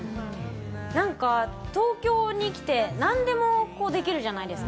何か東京に来て何でもできるじゃないですか。